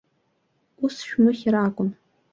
Ус шәмыхьыр акәын.